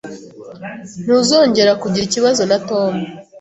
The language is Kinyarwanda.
Ntuzongera kugira ikibazo na Tom.